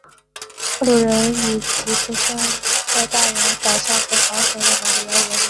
克鲁人以其在大西洋上导向和航行的能力而闻名。